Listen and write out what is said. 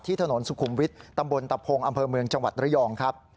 ถนนสุขุมวิทย์ตำบลตะพงอำเภอเมืองจังหวัดระยองครับ